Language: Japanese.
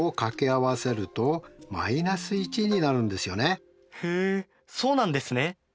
実はへえそうなんですね。